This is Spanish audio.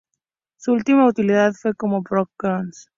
Su última utilidad fue como "Backbone".